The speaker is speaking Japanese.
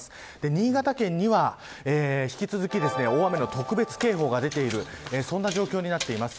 新潟県には引き続き大雨の特別警報が出ているそんな状況になっています。